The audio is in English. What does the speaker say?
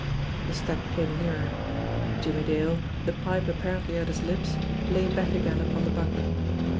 The step came nearer. Jimmie Dale, the pipe apparently at his lips, lay back again upon the bunk.